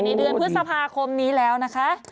เดือนพฤษภาคมนี้แล้วนะคะ